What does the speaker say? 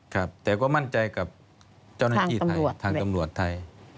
ครับแต่ก็มั่นใจกับเจ้าหน้าที่ไทยทางตำรวจไทย